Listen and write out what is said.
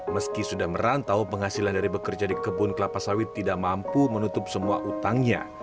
meski sudah merantau penghasilan dari bekerja di kebun kelapa sawit tidak mampu menutup semua utangnya